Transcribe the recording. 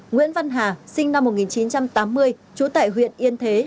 nguyễn văn hà sinh năm một nghìn chín trăm tám mươi trú tại huyện yên thế